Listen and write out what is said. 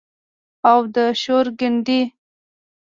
او د شور ګنډي